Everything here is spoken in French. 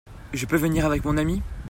Je peux venir avec mon ami ?